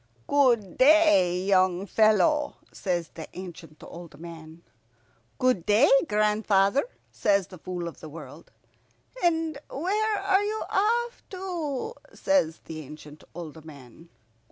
"Good day, young fellow," says the ancient old man. "Good day, grandfather," says the Fool of the World. "And where are you off to?" says the ancient old man.